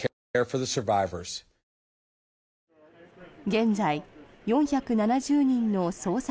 現在４７０人の捜索